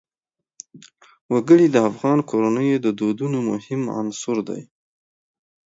وګړي د افغان کورنیو د دودونو مهم عنصر دی.